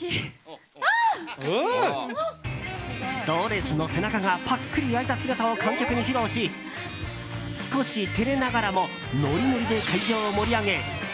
ドレスの背中がパックリ空いた姿を観客に披露し少し照れながらもノリノリで会場を盛り上げ